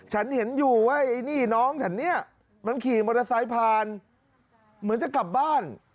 ฉันเห็นอยู่ว่าไอ้นี่น้องฉันเนี่ยมันขี่มอเตอร์ไซค์ผ่านเหมือนจะกลับบ้าน